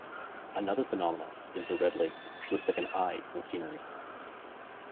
Another phenomenon is the Red Lake which looks like an eye in the scenery.